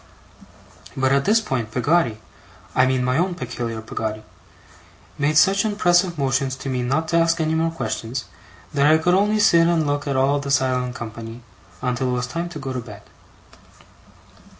But at this point Peggotty I mean my own peculiar Peggotty made such impressive motions to me not to ask any more questions, that I could only sit and look at all the silent company, until it was time to go to bed.